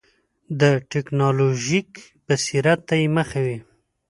د ټکنالوژیک بصیرت ته یې مخه وي.